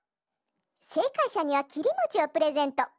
せいかいしゃにはきりもちをプレゼント。